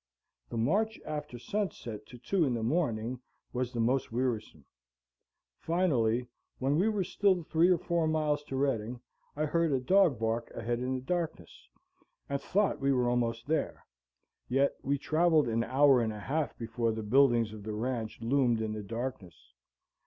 The march after sunset to two in the morning was the most wearisome. Finally, when we were still three or four miles to Redding, I heard a dog bark ahead in the darkness, and thought we were almost there. Yet we traveled an hour and a half before the buildings of the ranch loomed in the darkness.